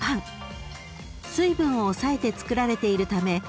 ［水分を抑えて作られているため］